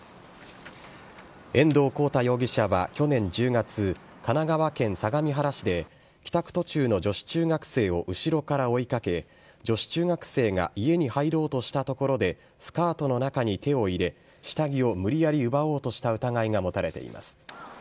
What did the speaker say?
遠藤宏太容疑者は去年１０月、神奈川県相模原市で、帰宅途中の女子中学生を後ろから追いかけ、女子中学生が家に入ろうとしたところで、スカートの中に手を入れ、下着を無理やり奪おうとした疑いが持たれています。